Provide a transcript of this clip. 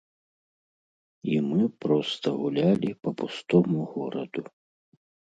І мы проста гулялі па пустому гораду.